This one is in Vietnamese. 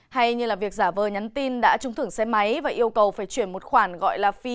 hay như việc giả vờ nhắn tin đã trung thưởng xe máy và yêu cầu phải chuyển một khoản gọi là phí